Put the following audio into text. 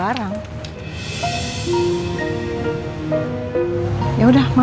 ada kiriman paketnya kemarin ma